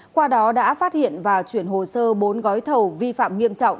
qua đó đã phát hiện và chuyển hồ sơ bốn gói thầu vi phạm nghiêm trọng